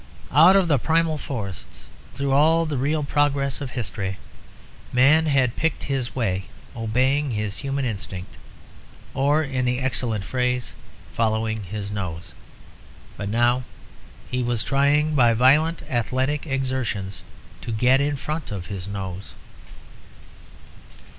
Out of the primal forests, through all the real progress of history, man had picked his way obeying his human instinct, or (in the excellent phrase) following his nose. But now he was trying, by violent athletic exertions, to get in front of his nose.